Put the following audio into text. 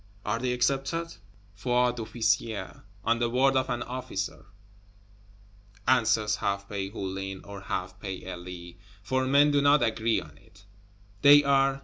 Are they accepted? "Foi d'officier, On the word of an officer," answers half pay Hulin, or half pay Elie for men do not agree on it "they are!"